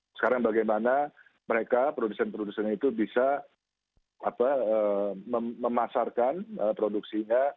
sekarang bagaimana mereka produsen produsen itu bisa memasarkan produksinya